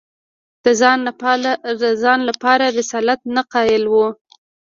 د ځان لپاره رسالت نه قایل وو